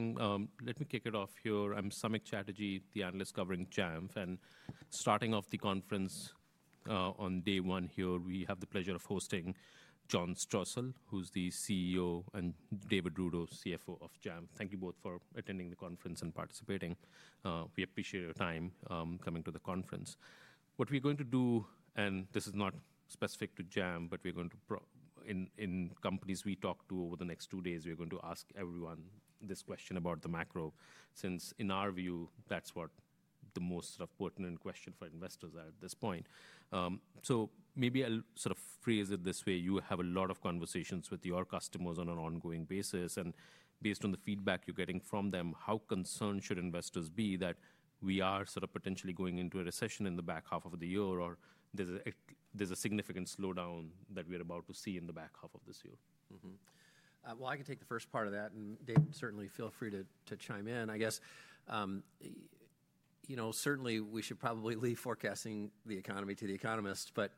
Morning. Let me kick it off here. I'm Samik Chatterjee, the analyst covering Jamf, and starting off the conference on day one here, we have the pleasure of hosting John Strosahl, who's the CEO, and David Rudow, CFO of Jamf. Thank you both for attending the conference and participating. We appreciate your time coming to the conference. What we're going to do, and this is not specific to Jamf, but we're going to, in companies we talk to over the next two days, we're going to ask everyone this question about the macro, since in our view, that's what the most sort of pertinent question for investors at this point. Maybe I'll sort of phrase it this way: you have a lot of conversations with your customers on an ongoing basis, and based on the feedback you're getting from them, how concerned should investors be that we are sort of potentially going into a recession in the back half of the year, or there's a significant slowdown that we're about to see in the back half of this year? I can take the first part of that, and David, certainly feel free to chime in. I guess, you know, certainly we should probably leave forecasting the economy to the economists, but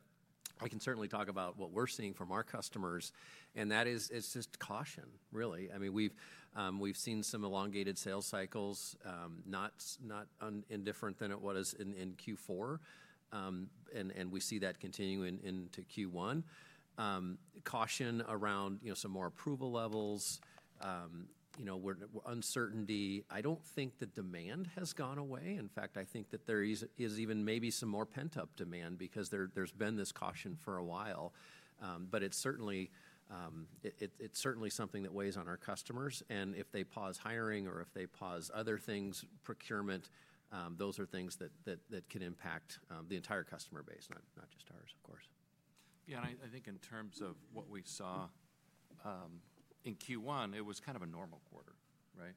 we can certainly talk about what we're seeing from our customers, and that is just caution, really. I mean, we've seen some elongated sales cycles, not indifferent than it was in Q4, and we see that continuing into Q1. Caution around, you know, some more approval levels, you know, uncertainty. I do not think the demand has gone away. In fact, I think that there is even maybe some more pent-up demand because there's been this caution for a while, but it is certainly something that weighs on our customers, and if they pause hiring or if they pause other things, procurement, those are things that can impact the entire customer base, not just ours, of course. Yeah, and I think in terms of what we saw in Q1, it was kind of a normal quarter, right?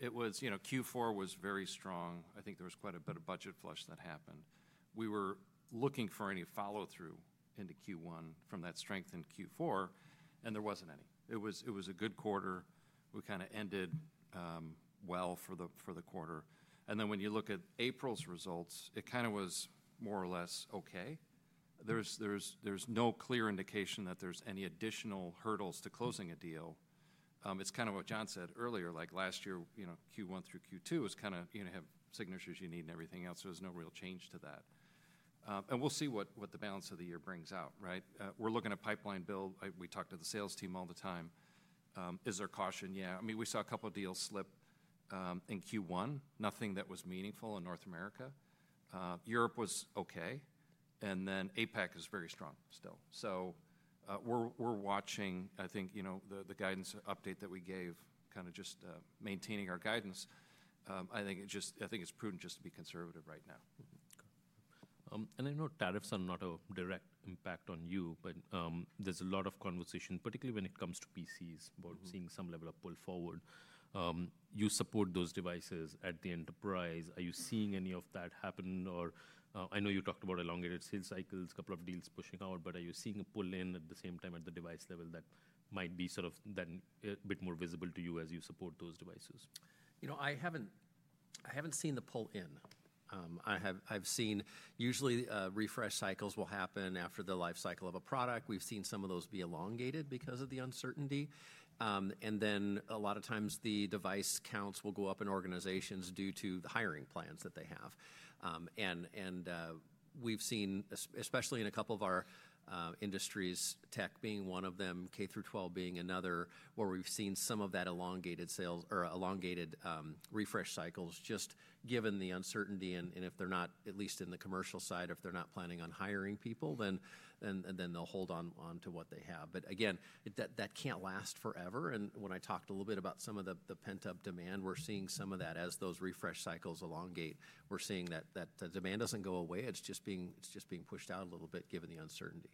It was, you know, Q4 was very strong. I think there was quite a bit of budget flush that happened. We were looking for any follow-through into Q1 from that strength in Q4, and there was not any. It was a good quarter. We kind of ended well for the quarter. When you look at April's results, it kind of was more or less okay. There is no clear indication that there is any additional hurdles to closing a deal. It is kind of what John said earlier, like last year, you know, Q1 through Q2 was kind of, you know, have signatures you need and everything else, so there is no real change to that. We will see what the balance of the year brings out, right? We are looking at pipeline build. We talk to the sales team all the time. Is there caution? Yeah. I mean, we saw a couple of deals slip in Q1, nothing that was meaningful in North America. Europe was okay, and then APAC is very strong still. We are watching, I think, you know, the guidance update that we gave, kind of just maintaining our guidance. I think it's prudent just to be conservative right now. I know tariffs are not a direct impact on you, but there is a lot of conversation, particularly when it comes to PCs, about seeing some level of pull forward. You support those devices at the enterprise. Are you seeing any of that happen? I know you talked about elongated sales cycles, a couple of deals pushing out, but are you seeing a pull in at the same time at the device level that might be sort of then a bit more visible to you as you support those devices? You know, I haven't seen the pull in. I've seen usually refresh cycles will happen after the life cycle of a product. We've seen some of those be elongated because of the uncertainty. A lot of times the device counts will go up in organizations due to the hiring plans that they have. We've seen, especially in a couple of our industries, tech being one of them, K-12 being another, where we've seen some of that elongated sales or elongated refresh cycles just given the uncertainty. If they're not, at least in the commercial side, if they're not planning on hiring people, then they'll hold on to what they have. Again, that can't last forever. When I talked a little bit about some of the pent-up demand, we're seeing some of that as those refresh cycles elongate. We're seeing that the demand doesn't go away. It's just being pushed out a little bit given the uncertainty.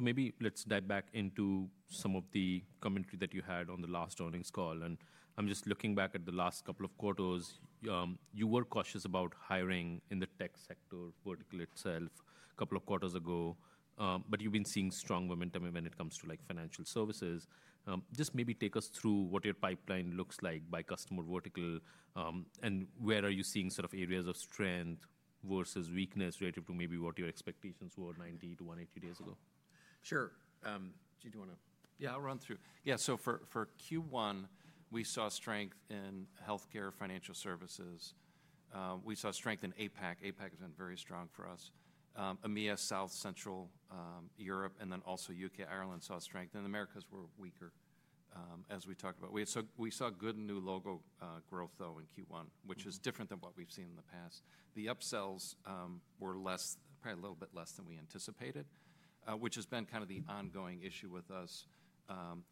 Maybe let's dive back into some of the commentary that you had on the last earnings call. I'm just looking back at the last couple of quarters. You were cautious about hiring in the tech sector vertical itself a couple of quarters ago, but you've been seeing strong momentum when it comes to financial services. Just maybe take us through what your pipeline looks like by customer vertical, and where are you seeing sort of areas of strength versus weakness relative to maybe what your expectations were 90-180 days ago? Sure. Did you want to? Yeah, I'll run through. Yeah, so for Q1, we saw strength in healthcare, financial services. We saw strength in APAC. APAC has been very strong for us. EMEA, South Central Europe, and then also U.K., Ireland saw strength. Americas were weaker, as we talked about. We saw good new logo growth, though, in Q1, which is different than what we've seen in the past. The upsells were less, probably a little bit less than we anticipated, which has been kind of the ongoing issue with us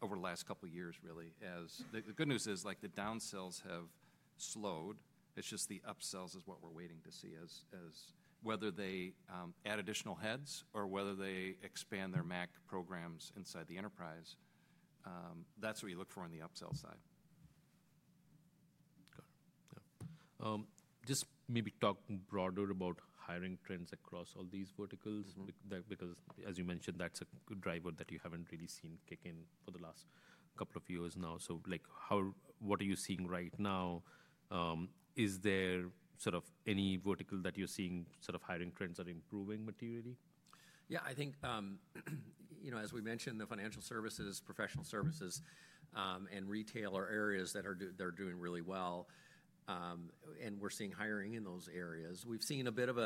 over the last couple of years, really, as the good news is, like the downsells have slowed. It's just the upsells is what we're waiting to see as whether they add additional heads or whether they expand their Mac programs inside the enterprise. That's what we look for on the upsell side. Just maybe talk broader about hiring trends across all these verticals, because as you mentioned, that's a driver that you haven't really seen kick in for the last couple of years now. What are you seeing right now? Is there sort of any vertical that you're seeing sort of hiring trends are improving materially? Yeah, I think, you know, as we mentioned, the financial services, professional services, and retail are areas that are doing really well, and we're seeing hiring in those areas. We've seen a bit of,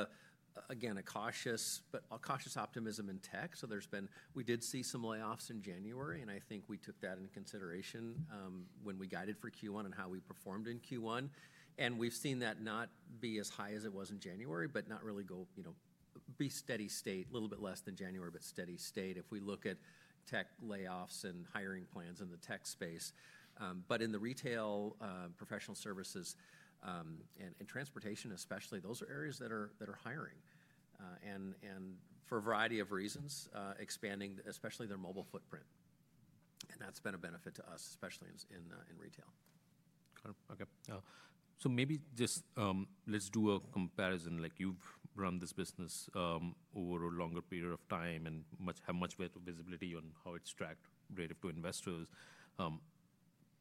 again, a cautious but cautious optimism in tech. There have been, we did see some layoffs in January, and I think we took that into consideration when we guided for Q1 and how we performed in Q1. We've seen that not be as high as it was in January, but not really go, you know, be steady state, a little bit less than January, but steady state if we look at tech layoffs and hiring plans in the tech space. In the retail, professional services, and transportation especially, those are areas that are hiring and for a variety of reasons, expanding especially their mobile footprint. That has been a benefit to us, especially in retail. Okay. So maybe just let's do a comparison. Like you've run this business over a longer period of time and have much better visibility on how it's tracked relative to investors.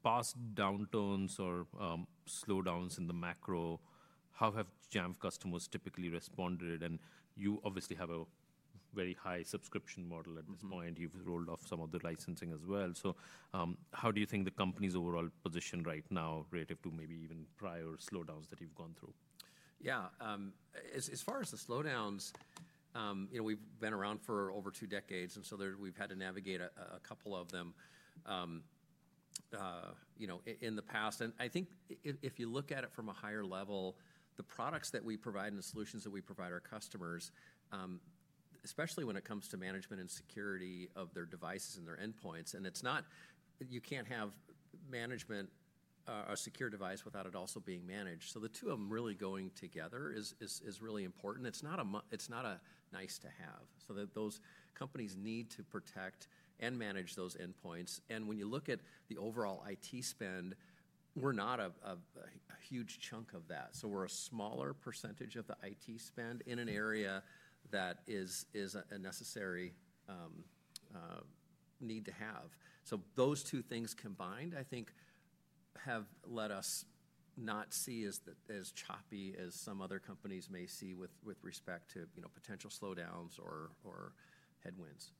Past downturns or slowdowns in the macro, how have Jamf customers typically responded? And you obviously have a very high subscription model at this point. You've rolled off some of the licensing as well. So how do you think the company's overall position right now relative to maybe even prior slowdowns that you've gone through? Yeah, as far as the slowdowns, you know, we've been around for over two decades, and so we've had to navigate a couple of them, you know, in the past. I think if you look at it from a higher level, the products that we provide and the solutions that we provide our customers, especially when it comes to management and security of their devices and their endpoints, and it's not, you can't have management, a secure device without it also being managed. The two of them really going together is really important. It's not a nice to have. Those companies need to protect and manage those endpoints. When you look at the overall IT spend, we're not a huge chunk of that. We're a smaller percentage of the IT spend in an area that is a necessary need to have. Those two things combined, I think, have let us not see as choppy as some other companies may see with respect to, you know, potential slowdowns or headwinds. I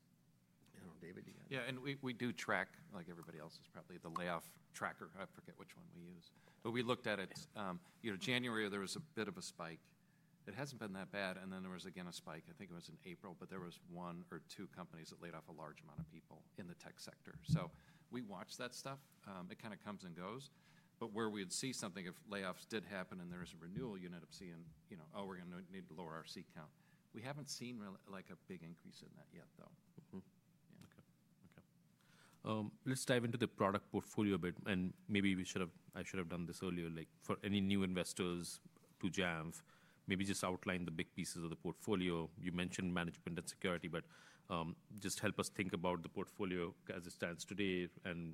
don't know, David, you got it? Yeah, and we do track, like everybody else is probably, the layoff tracker. I forget which one we use. But we looked at it, you know, January, there was a bit of a spike. It has not been that bad. There was again a spike. I think it was in April, but there was one or two companies that laid off a large amount of people in the tech sector. We watch that stuff. It kind of comes and goes. Where we would see something if layoffs did happen and there was a renewal, you end up seeing, you know, oh, we are going to need to lower our seat count. We have not seen like a big increase in that yet, though. Okay. Let's dive into the product portfolio a bit, and maybe we should have, I should have done this earlier, like for any new investors to Jamf, maybe just outline the big pieces of the portfolio. You mentioned management and security, but just help us think about the portfolio as it stands today and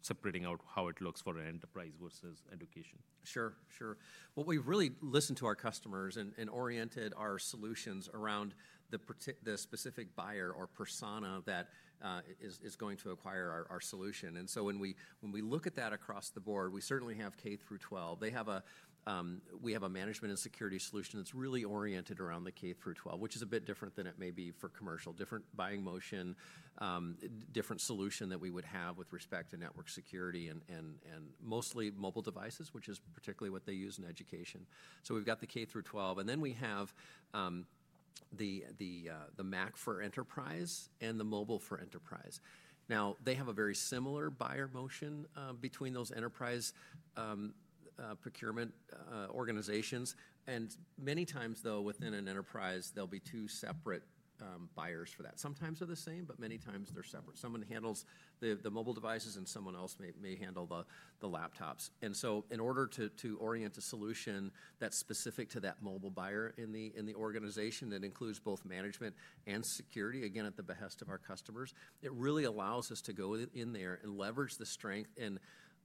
separating out how it looks for an enterprise versus education. Sure, sure. We really listen to our customers and oriented our solutions around the specific buyer or persona that is going to acquire our solution. When we look at that across the board, we certainly have K-12. We have a management and security solution that's really oriented around the K-12, which is a bit different than it may be for commercial, different buying motion, different solution that we would have with respect to network security and mostly mobile devices, which is particularly what they use in education. We have the K-12, and then we have the Mac for enterprise and the mobile for enterprise. They have a very similar buyer motion between those enterprise procurement organizations. Many times, though, within an enterprise, there will be two separate buyers for that. Sometimes they are the same, but many times they are separate. Someone handles the mobile devices and someone else may handle the laptops. In order to orient a solution that's specific to that mobile buyer in the organization that includes both management and security, again, at the behest of our customers, it really allows us to go in there and leverage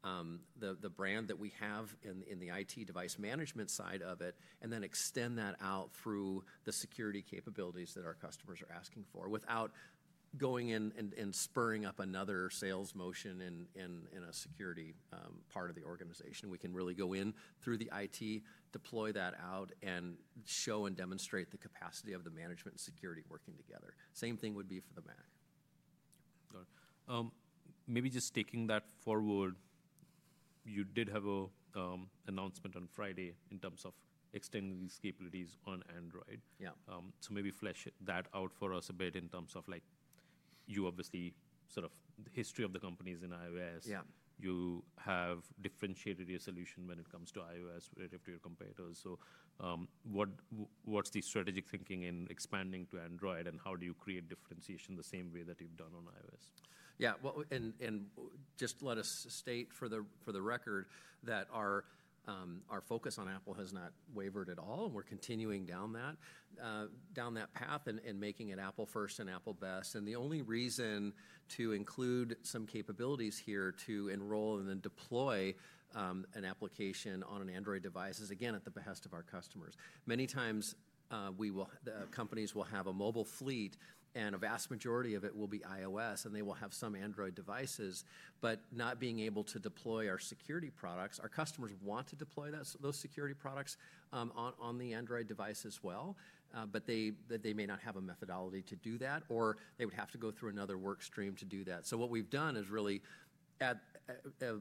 the strength and the brand that we have in the IT device management side of it, and then extend that out through the security capabilities that our customers are asking for without going in and spurring up another sales motion in a security part of the organization. We can really go in through the IT, deploy that out, and show and demonstrate the capacity of the management and security working together. Same thing would be for the Mac. Maybe just taking that forward, you did have an announcement on Friday in terms of extending these capabilities on Android. Maybe flesh that out for us a bit in terms of, like, you obviously sort of the history of the company is in iOS. You have differentiated your solution when it comes to iOS relative to your competitors. What is the strategic thinking in expanding to Android, and how do you create differentiation the same way that you have done on iOS? Yeah, and just let us state for the record that our focus on Apple has not wavered at all, and we're continuing down that path and making it Apple first and Apple best. The only reason to include some capabilities here to enroll and then deploy an application on an Android device is, again, at the behest of our customers. Many times companies will have a mobile fleet, and a vast majority of it will be iOS, and they will have some Android devices, but not being able to deploy our security products. Our customers want to deploy those security products on the Android device as well, but they may not have a methodology to do that, or they would have to go through another workstream to do that. What we've done is really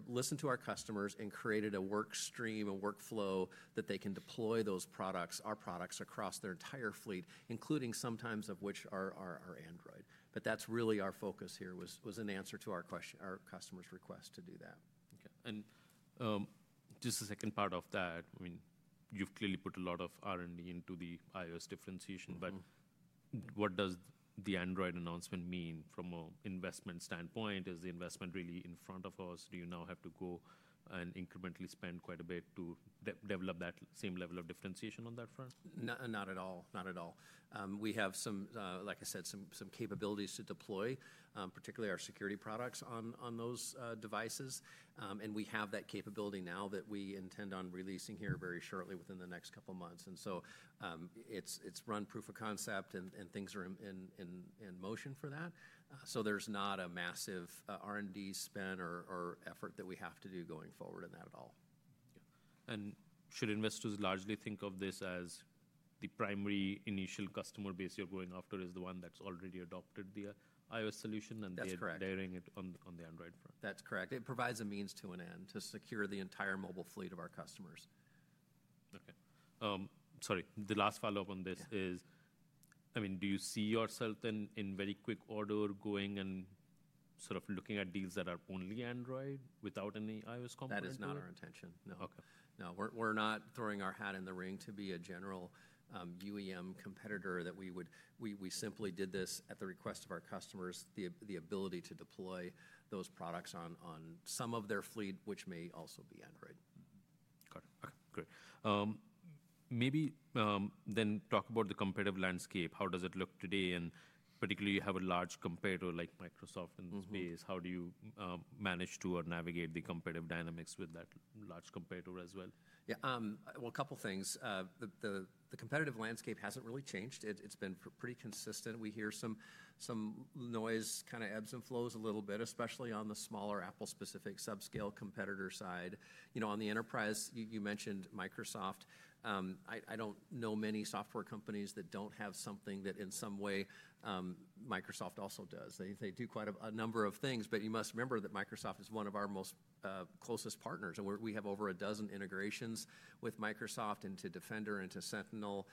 listened to our customers and created a workstream, a workflow that they can deploy those products, our products across their entire fleet, including sometimes of which are Android. That's really our focus here was an answer to our customers' request to do that. Just the second part of that, I mean, you've clearly put a lot of R&D into the iOS differentiation, but what does the Android announcement mean from an investment standpoint? Is the investment really in front of us? Do you now have to go and incrementally spend quite a bit to develop that same level of differentiation on that front? Not at all, not at all. We have some, like I said, some capabilities to deploy, particularly our security products on those devices. We have that capability now that we intend on releasing here very shortly within the next couple of months. It has run proof of concept, and things are in motion for that. There is not a massive R&D spend or effort that we have to do going forward in that at all. Should investors largely think of this as the primary initial customer base you're going after is the one that's already adopted the iOS solution and they're layering it on the Android front? That's correct. It provides a means to an end to secure the entire mobile fleet of our customers. Okay. Sorry, the last follow-up on this is, I mean, do you see yourself then in very quick order going and sort of looking at deals that are only Android without any iOS components? That is not our intention. No. We're not throwing our hat in the ring to be a general UEM competitor. We simply did this at the request of our customers, the ability to deploy those products on some of their fleet, which may also be Android. Okay, great. Maybe then talk about the competitive landscape. How does it look today? Particularly, you have a large competitor like Microsoft in the space. How do you manage to navigate the competitive dynamics with that large competitor as well? Yeah, a couple of things. The competitive landscape hasn't really changed. It's been pretty consistent. We hear some noise, kind of ebbs and flows a little bit, especially on the smaller Apple-specific subscale competitor side. You know, on the enterprise, you mentioned Microsoft. I don't know many software companies that don't have something that in some way Microsoft also does. They do quite a number of things, but you must remember that Microsoft is one of our most closest partners. We have over a dozen integrations with Microsoft into Defender, into Sentinel.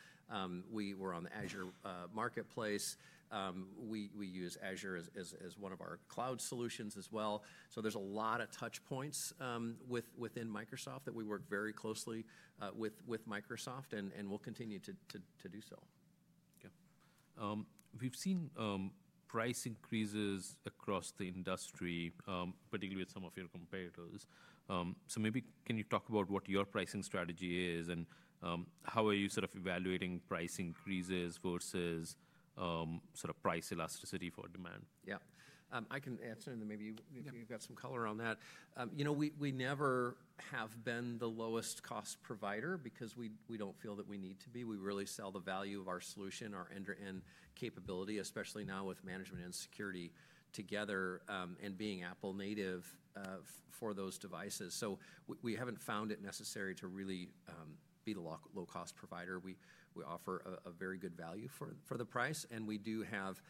We were on the Azure Marketplace. We use Azure as one of our cloud solutions as well. There's a lot of touch points within Microsoft that we work very closely with Microsoft and will continue to do so. We've seen price increases across the industry, particularly with some of your competitors. Maybe can you talk about what your pricing strategy is and how are you sort of evaluating price increases versus sort of price elasticity for demand? Yeah, I can answer and then maybe you've got some color on that. You know, we never have been the lowest cost provider because we don't feel that we need to be. We really sell the value of our solution, our end-to-end capability, especially now with management and security together and being Apple native for those devices. We haven't found it necessary to really be the low-cost provider. We offer a very good value for the price, and we do have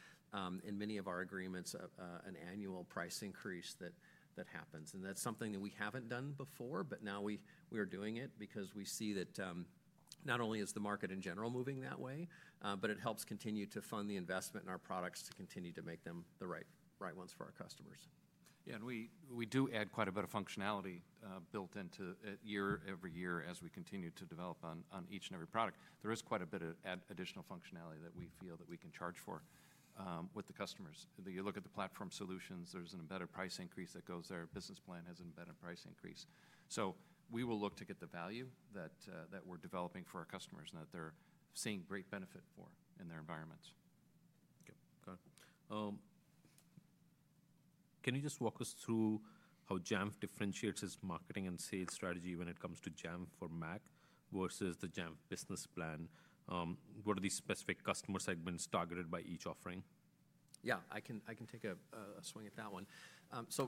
in many of our agreements an annual price increase that happens. That's something that we haven't done before, but now we are doing it because we see that not only is the market in general moving that way, but it helps continue to fund the investment in our products to continue to make them the right ones for our customers. Yeah, and we do add quite a bit of functionality built into year every year as we continue to develop on each and every product. There is quite a bit of additional functionality that we feel that we can charge for with the customers. You look at the platform solutions, there's an embedded price increase that goes there. Business Plan has an embedded price increase. We will look to get the value that we're developing for our customers and that they're seeing great benefit for in their environments. Can you just walk us through how Jamf differentiates its marketing and sales strategy when it comes to Jamf for Mac versus the Jamf Business Plan? What are the specific customer segments targeted by each offering? Yeah, I can take a swing at that one.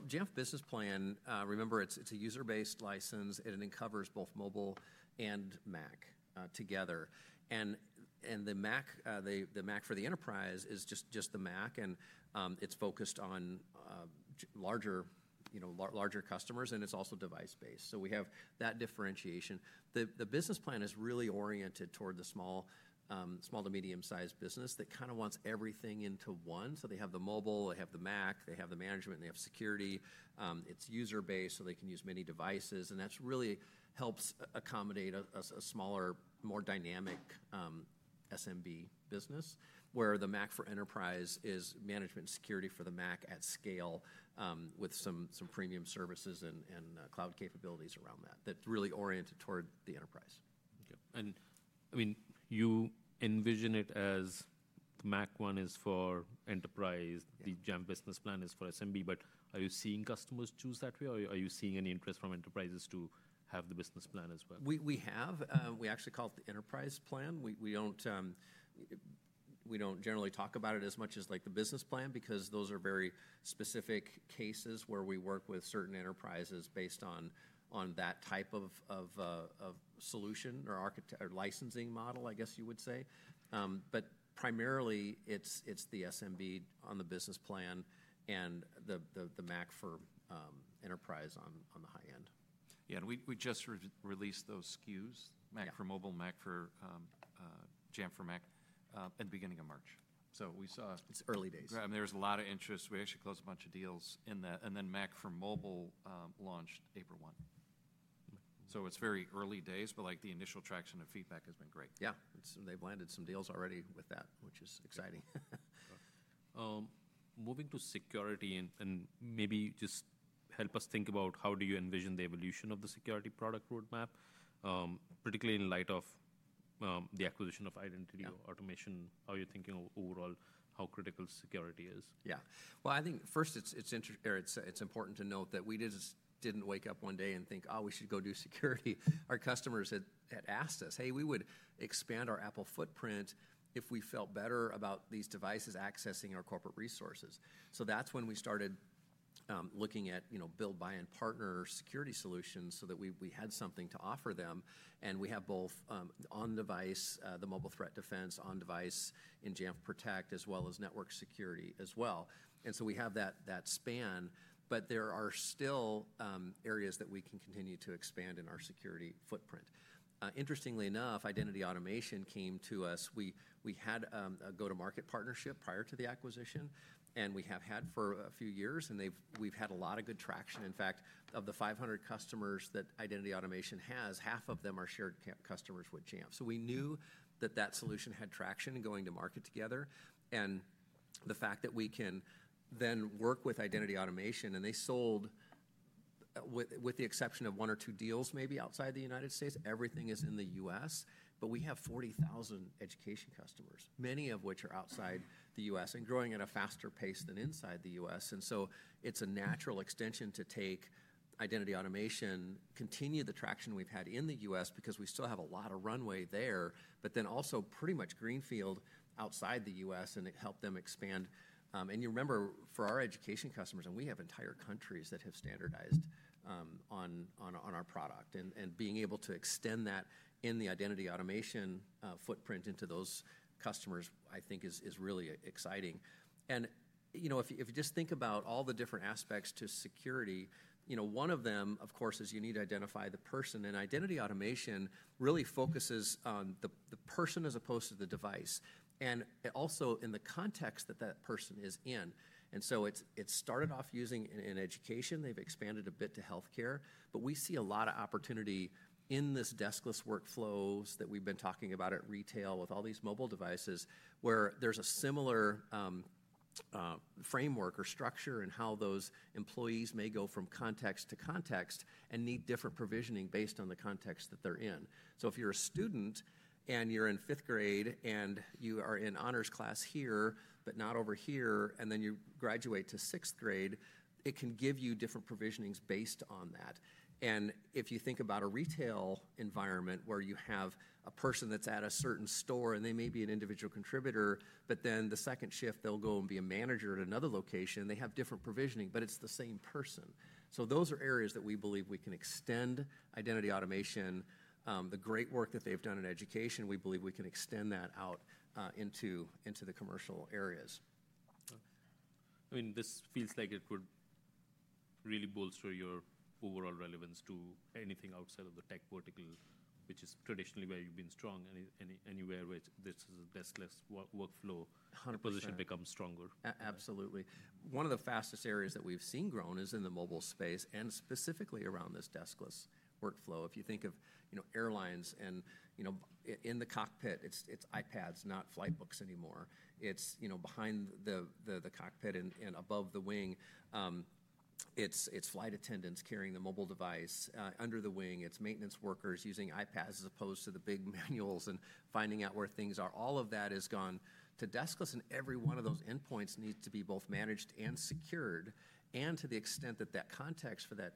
Jamf Business Plan, remember it's a user-based license. It covers both mobile and Mac together. The Mac for the enterprise is just the Mac, and it's focused on larger customers, and it's also device based. We have that differentiation. The Business Plan is really oriented toward the small to medium-sized business that kind of wants everything into one. They have the mobile, they have the Mac, they have the management, they have security. It's user-based, so they can use many devices. That really helps accommodate a smaller, more dynamic SMB business where the Mac for enterprise is management and security for the Mac at scale with some premium services and cloud capabilities around that. That's really oriented toward the enterprise. I mean, you envision it as the Mac one is for enterprise, the Jamf Business Plan is for SMB, but are you seeing customers choose that way? Are you seeing any interest from enterprises to have the Business Plan as well? We have. We actually call it the enterprise plan. We do not generally talk about it as much as like the Business Plan because those are very specific cases where we work with certain enterprises based on that type of solution or licensing model, I guess you would say. Primarily, it is the SMB on the Business Plan and the Mac for enterprise on the high end. Yeah, and we just released those SKUs, Mac for mobile, Mac for Jamf for Mac, at the beginning of March. We saw. It's early days. There's a lot of interest. We actually closed a bunch of deals in that. Mac for mobile launched April 1. It is very early days, but like the initial traction of feedback has been great. Yeah, they've landed some deals already with that, which is exciting. Moving to security and maybe just help us think about how do you envision the evolution of the security product roadmap, particularly in light of the acquisition of Identity Automation, how you're thinking overall how critical security is. Yeah, I think first it's important to note that we didn't wake up one day and think, "Oh, we should go do security." Our customers had asked us, "Hey, we would expand our Apple footprint if we felt better about these devices accessing our corporate resources." That is when we started looking at build, buy, and partner security solutions so that we had something to offer them. We have both on-device, the Mobile Threat Defense, on-device in Jamf Protect, as well as network security as well. We have that span, but there are still areas that we can continue to expand in our security footprint. Interestingly enough, Identity Automation came to us. We had a go-to-market partnership prior to the acquisition, and we have had for a few years, and we've had a lot of good traction. In fact, of the 500 customers that Identity Automation has, half of them are shared customers with Jamf. We knew that that solution had traction in going to market together. The fact that we can then work with Identity Automation, and they sold, with the exception of one or two deals maybe outside the United States, everything is in the U.S., but we have 40,000 education customers, many of which are outside the U.S. and growing at a faster pace than inside the U.S. It is a natural extension to take Identity Automation, continue the traction we've had in the U.S. because we still have a lot of runway there, but then also pretty much greenfield outside the U.S. and help them expand. You remember for our education customers, we have entire countries that have standardized on our product. Being able to extend that identity automation footprint into those customers, I think is really exciting. You know, if you just think about all the different aspects to security, one of them, of course, is you need to identify the person. Identity automation really focuses on the person as opposed to the device and also in the context that that person is in. It started off using in education. They've expanded a bit to healthcare, but we see a lot of opportunity in this deskless workflows that we've been talking about at retail with all these mobile devices where there's a similar framework or structure in how those employees may go from context to context and need different provisioning based on the context that they're in. If you're a student and you're in fifth grade and you are in honors class here, but not over here, and then you graduate to sixth grade, it can give you different provisionings based on that. If you think about a retail environment where you have a person that's at a certain store and they may be an individual contributor, but then the second shift they'll go and be a manager at another location, they have different provisioning, but it's the same person. Those are areas that we believe we can extend Identity Automation. The great work that they've done in education, we believe we can extend that out into the commercial areas. I mean, this feels like it would really bolster your overall relevance to anything outside of the tech vertical, which is traditionally where you've been strong, and anywhere where this is a deskless workflow position becomes stronger. Absolutely. One of the fastest areas that we've seen grow is in the mobile space and specifically around this deskless workflow. If you think of airlines and in the cockpit, it's iPads, not flight books anymore. It's behind the cockpit and above the wing. It's flight attendants carrying the mobile device under the wing. It's maintenance workers using iPads as opposed to the big manuals and finding out where things are. All of that has gone to deskless, and every one of those endpoints needs to be both managed and secured. To the extent that that context for that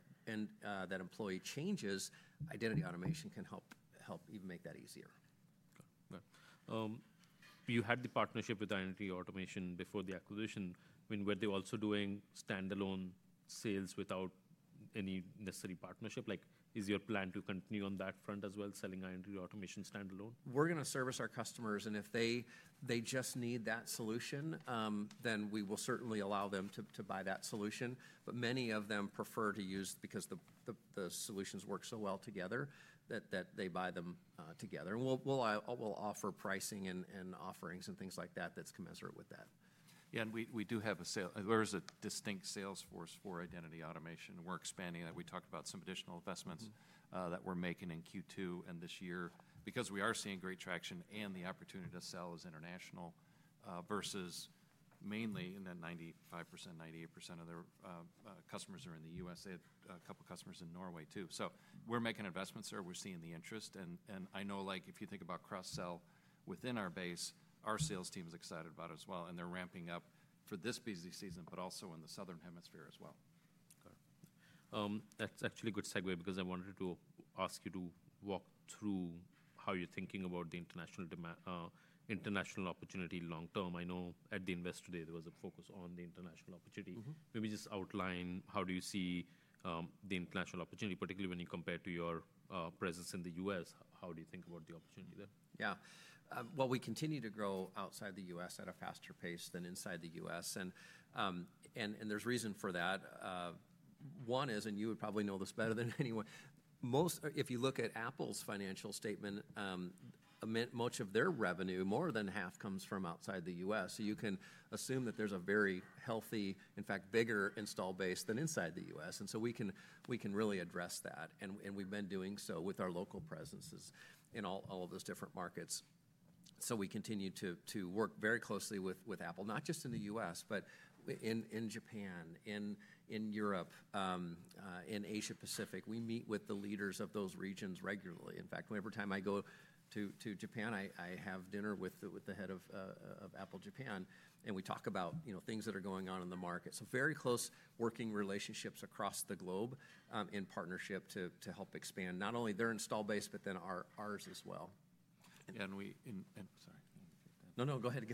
employee changes, Identity Automation can help even make that easier. You had the partnership with Identity Automation before the acquisition. I mean, were they also doing standalone sales without any necessary partnership? Like, is your plan to continue on that front as well, selling Identity Automation standalone? We're going to service our customers, and if they just need that solution, then we will certainly allow them to buy that solution. Many of them prefer to use because the solutions work so well together that they buy them together. We will offer pricing and offerings and things like that that's commensurate with that. Yeah, and we do have a distinct sales force for Identity Automation. We're expanding that. We talked about some additional investments that we're making in Q2 and this year because we are seeing great traction and the opportunity to sell as international versus mainly in the 95%-98% of their customers are in the U.S. They had a couple of customers in Norway too. We're making investments there. We're seeing the interest. I know like if you think about cross-sell within our base, our sales team is excited about it as well. They're ramping up for this busy season, but also in the southern hemisphere as well. That's actually a good segue because I wanted to ask you to walk through how you're thinking about the international opportunity long term. I know at the Invest Today, there was a focus on the international opportunity. Maybe just outline how do you see the international opportunity, particularly when you compare to your presence in the U.S.? How do you think about the opportunity there? Yeah, we continue to grow outside the U.S. at a faster pace than inside the U.S. There is reason for that. One is, and you would probably know this better than anyone, if you look at Apple's financial statement, much of their revenue, more than half, comes from outside the U.S. You can assume that there is a very healthy, in fact, bigger install base than inside the U.S. We can really address that. We have been doing so with our local presences in all of those different markets. We continue to work very closely with Apple, not just in the U.S., but in Japan, in Europe, in Asia-Pacific. We meet with the leaders of those regions regularly. In fact, every time I go to Japan, I have dinner with the head of Apple Japan, and we talk about things that are going on in the market. Very close working relationships across the globe in partnership to help expand not only their install base, but then ours as well. Yeah, and we—sorry. No, no, go ahead.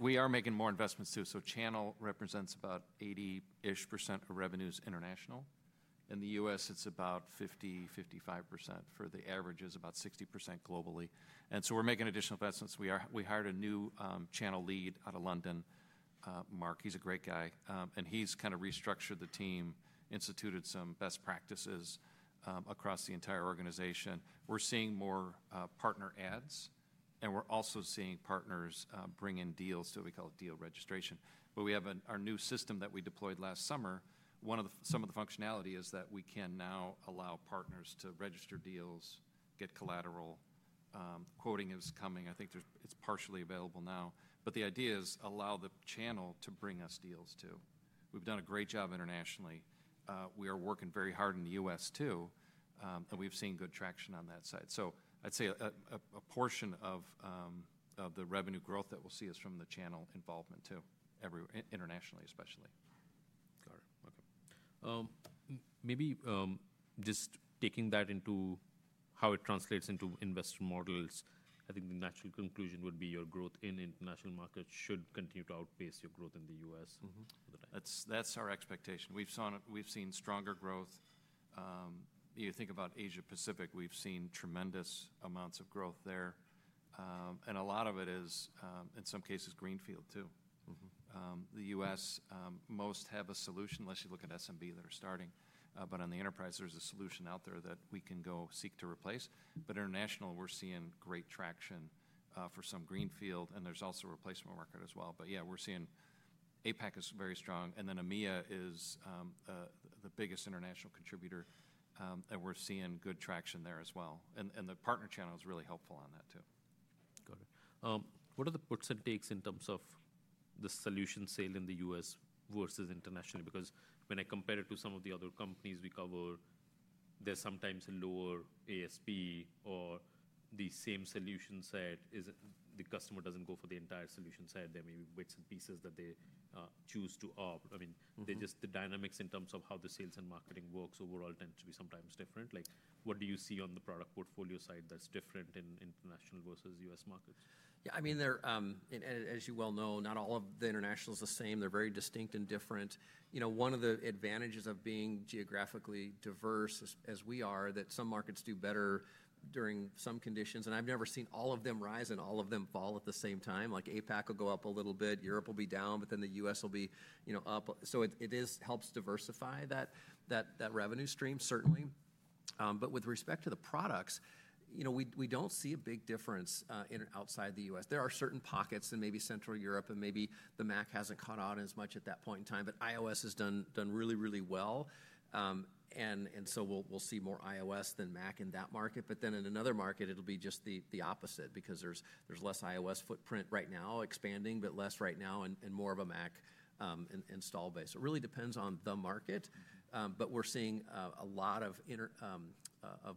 We are making more investments too. Channel represents about 80% of revenues international. In the U.S., it is about 50-55% for the average, which is about 60% globally. We are making additional investments. We hired a new Channel lead out of London, Mark. He is a great guy. He has kind of restructured the team and instituted some best practices across the entire organization. We are seeing more partner adds, and we are also seeing partners bring in deals to what we call deal registration. We have our new system that we deployed last summer. Some of the functionality is that we can now allow partners to register deals and get collateral. Quoting is coming. I think it is partially available now. The idea is to allow the Channel to bring us deals too. We have done a great job internationally. We are working very hard in the U.S. too, and we've seen good traction on that side. I'd say a portion of the revenue growth that we'll see is from the Channel involvement too, internationally especially. Maybe just taking that into how it translates into investor models, I think the natural conclusion would be your growth in international markets should continue to outpace your growth in the U.S. That's our expectation. We've seen stronger growth. You think about Asia-Pacific, we've seen tremendous amounts of growth there. A lot of it is, in some cases, greenfield too. The U.S. most have a solution, unless you look at SMB that are starting. On the enterprise, there's a solution out there that we can go seek to replace. International, we're seeing great traction for some greenfield, and there's also a replacement market as well. Yeah, we're seeing APAC is very strong. EMEA is the biggest international contributor, and we're seeing good traction there as well. The partner channel is really helpful on that too. Got it. What are the % takes in terms of the solution sale in the U.S. versus internationally? Because when I compare it to some of the other companies we cover, there's sometimes a lower ASP or the same solution set. The customer doesn't go for the entire solution set. There may be bits and pieces that they choose to opt. I mean, the dynamics in terms of how the sales and marketing works overall tends to be sometimes different. Like, what do you see on the product portfolio side that's different in international versus U.S. markets? Yeah, I mean, as you well know, not all of the international is the same. They're very distinct and different. You know, one of the advantages of being geographically diverse as we are is that some markets do better during some conditions. I've never seen all of them rise and all of them fall at the same time. Like APAC will go up a little bit, Europe will be down, but then the U.S. will be up. It helps diversify that revenue stream, certainly. With respect to the products, you know, we don't see a big difference outside the U.S. There are certain pockets in maybe Central Europe and maybe the Mac hasn't caught on as much at that point in time. iOS has done really, really well. We'll see more iOS than Mac in that market. Then in another market, it'll be just the opposite because there's less iOS footprint right now, expanding, but less right now and more of a Mac install base. It really depends on the market. We're seeing a lot of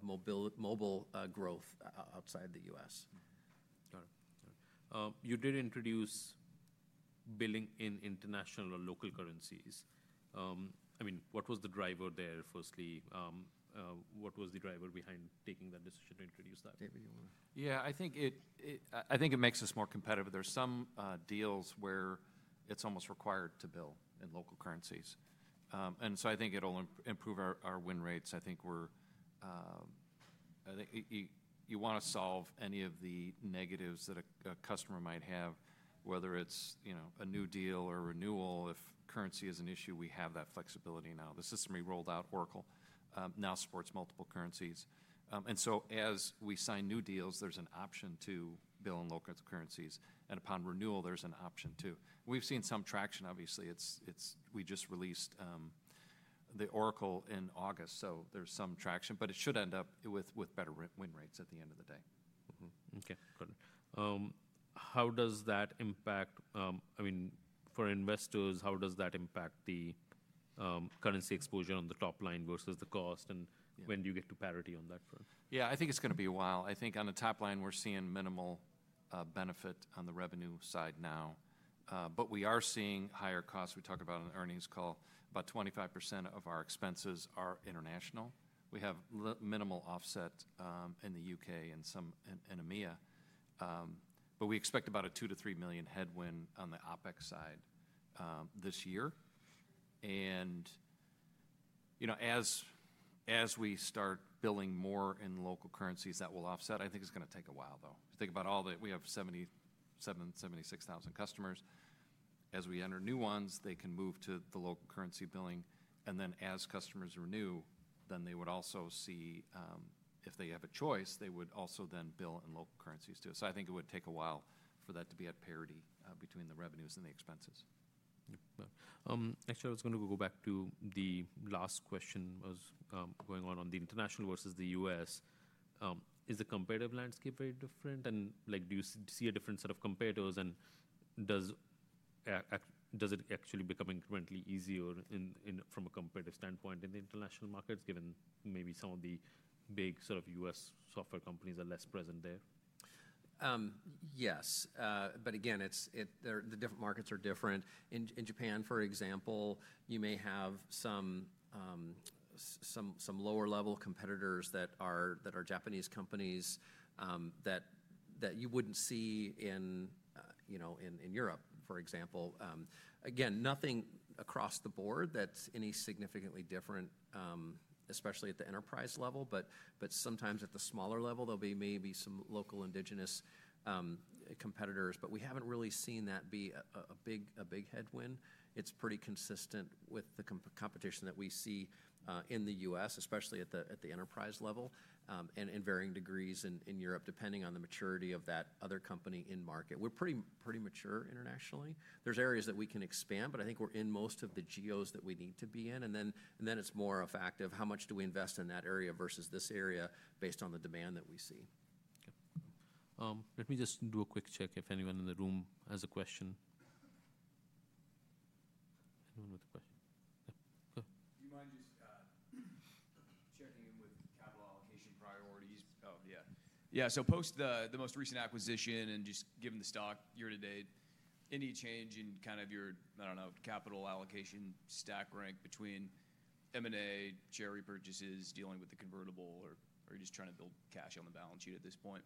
mobile growth outside the U.S. Got it. You did introduce billing in international or local currencies. I mean, what was the driver there? Firstly, what was the driver behind taking that decision to introduce that? Yeah, I think it makes us more competitive. There are some deals where it's almost required to bill in local currencies. I think it'll improve our win rates. I think you want to solve any of the negatives that a customer might have, whether it's a new deal or renewal. If currency is an issue, we have that flexibility now. The system we rolled out, Oracle, now supports multiple currencies. As we sign new deals, there's an option to bill in local currencies. Upon renewal, there's an option too. We've seen some traction, obviously. We just released the Oracle in August, so there's some traction, but it should end up with better win rates at the end of the day. Okay, got it. How does that impact? I mean, for investors, how does that impact the currency exposure on the top line versus the cost and when do you get to parity on that front? Yeah, I think it's going to be a while. I think on the top line, we're seeing minimal benefit on the revenue side now. We are seeing higher costs. We talked about it on the earnings call. About 25% of our expenses are international. We have minimal offset in the U.K. and EMEA. We expect about a $2 million-$3 million headwind on the OpEx side this year. You know, as we start billing more in local currencies, that will offset. I think it's going to take a while though. If you think about all that, we have 77,000-76,000 customers. As we enter new ones, they can move to the local currency billing. As customers renew, then they would also see, if they have a choice, they would also then bill in local currencies too. I think it would take a while for that to be at parity between the revenues and the expenses. Actually, I was going to go back to the last question, what was going on on the international versus the U.S. Is the competitive landscape very different? Do you see a different set of competitors? Does it actually become incrementally easier from a competitive standpoint in the international markets given maybe some of the big sort of U.S. software companies are less present there? Yes. Again, the different markets are different. In Japan, for example, you may have some lower level competitors that are Japanese companies that you would not see in Europe, for example. Again, nothing across the board that is any significantly different, especially at the enterprise level. Sometimes at the smaller level, there will be maybe some local indigenous competitors. We have not really seen that be a big headwind. It is pretty consistent with the competition that we see in the US, especially at the enterprise level and in varying degrees in Europe, depending on the maturity of that other company in market. We are pretty mature internationally. There are areas that we can expand, but I think we are in most of the geos that we need to be in. It's more a fact of how much do we invest in that area versus this area based on the demand that we see. Let me just do a quick check if anyone in the room has a question. Anyone with a question? Do you mind just checking in with capital allocation priorities? Oh, yeah. Yeah, so post the most recent acquisition and just given the stock year to date, any change in kind of your, I don't know, capital allocation stack rank between M&A, charity purchases, dealing with the convertible, or are you just trying to build cash on the balance sheet at this point?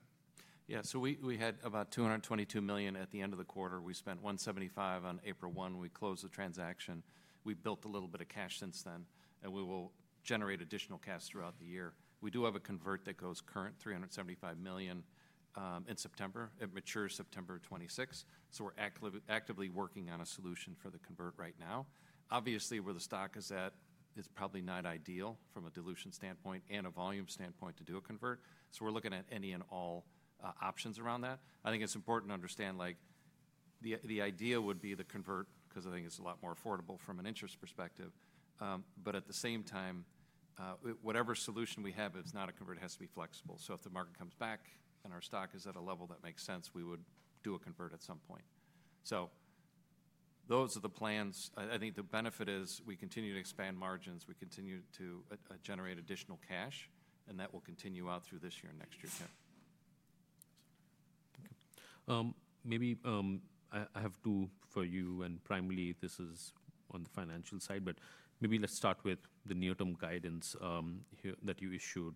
Yeah. So we had about $222 million at the end of the quarter. We spent $175 million on April 1. We closed the transaction. We've built a little bit of cash since then, and we will generate additional cash throughout the year. We do have a convert that goes current, $375 million in September. It matures September 26. We are actively working on a solution for the convert right now. Obviously, where the stock is at, it's probably not ideal from a dilution standpoint and a volume standpoint to do a convert. We're looking at any and all options around that. I think it's important to understand, like the idea would be the convert because I think it's a lot more affordable from an interest perspective. At the same time, whatever solution we have, if it's not a convert, it has to be flexible. If the market comes back and our stock is at a level that makes sense, we would do a convert at some point. Those are the plans. I think the benefit is we continue to expand margins. We continue to generate additional cash, and that will continue out through this year and next year too. Maybe I have two for you, and primarily this is on the financial side, but maybe let's start with the near-term guidance that you issued.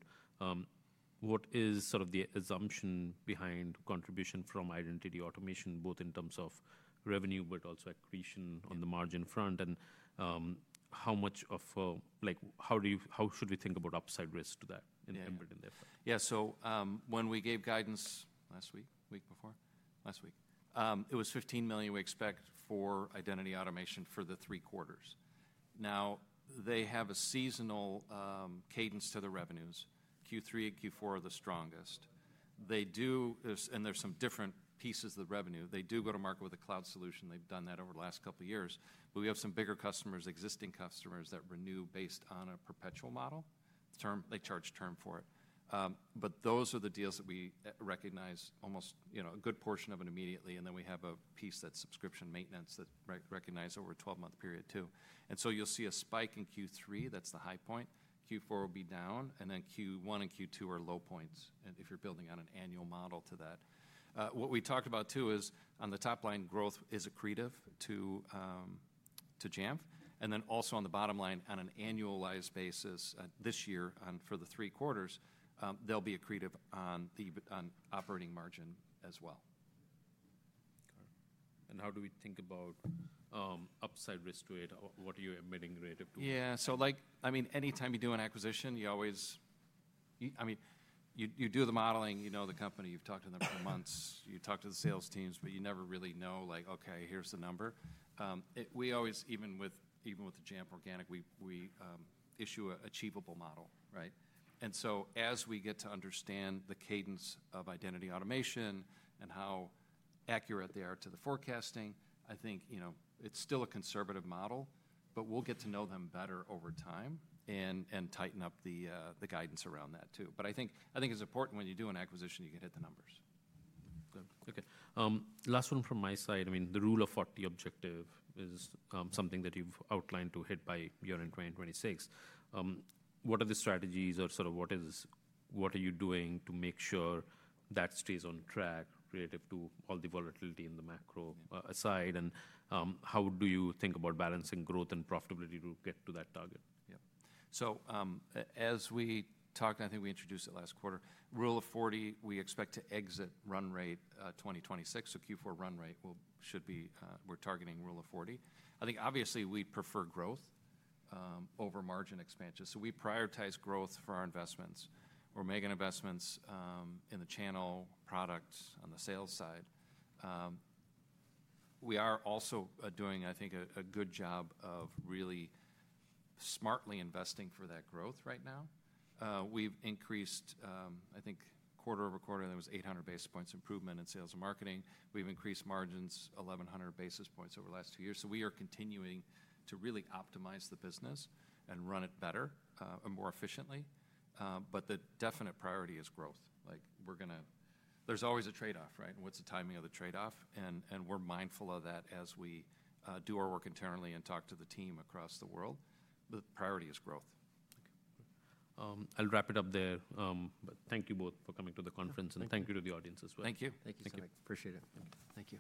What is sort of the assumption behind contribution from Identity Automation, both in terms of revenue, but also accretion on the margin front? And how much of, like how should we think about upside risk to that embedded in there? Yeah, so when we gave guidance last week, week before, last week, it was $15 million we expect for Identity Automation for the three quarters. Now, they have a seasonal cadence to the revenues. Q3 and Q4 are the strongest. There's some different pieces of the revenue. They do go to market with a cloud solution. They've done that over the last couple of years. We have some bigger customers, existing customers that renew based on a perpetual model. They charge term for it. Those are the deals that we recognize almost a good portion of it immediately. We have a piece that's subscription maintenance that we recognize over a 12-month period too. You'll see a spike in Q3. That's the high point. Q4 will be down. Q1 and Q2 are low points if you're building on an annual model to that. What we talked about too is on the top line, growth is accretive to Jamf. Then also on the bottom line, on an annualized basis this year for the three quarters, they'll be accretive on operating margin as well. How do we think about upside risk to it? What are you embedding relative to it? Yeah, so like, I mean, anytime you do an acquisition, you always, I mean, you do the modeling, you know the company, you've talked to them for months, you talk to the sales teams, but you never really know like, okay, here's the number. We always, even with the Jamf organic, we issue an achievable model, right? As we get to understand the cadence of Identity Automation and how accurate they are to the forecasting, I think, you know, it's still a conservative model, but we'll get to know them better over time and tighten up the guidance around that too. I think it's important when you do an acquisition, you can hit the numbers. Okay. Last one from my side. I mean, the rule of 40 objective is something that you've outlined to hit by year in 2026. What are the strategies or sort of what are you doing to make sure that stays on track relative to all the volatility in the macro aside? And how do you think about balancing growth and profitability to get to that target? Yeah. As we talked, I think we introduced it last quarter, rule of 40, we expect to exit run rate 2026. Q4 run rate should be, we're targeting rule of 40. I think obviously we prefer growth over margin expansion. We prioritize growth for our investments. We're making investments in the channel products on the sales side. We are also doing, I think, a good job of really smartly investing for that growth right now. We've increased, I think, quarter over quarter, there was 800 basis points improvement in sales and marketing. We've increased margins 1,100 basis points over the last two years. We are continuing to really optimize the business and run it better and more efficiently. The definite priority is growth. Like we're going to, there's always a trade-off, right? What's the timing of the trade-off? We are mindful of that as we do our work internally and talk to the team across the world. The priority is growth. I'll wrap it up there. Thank you both for coming to the conference and thank you to the audience as well. Thank you. Thank you so much. Appreciate it. Thank you.